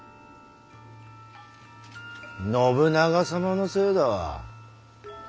信長様のせいだわ。